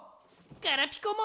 ガラピコも！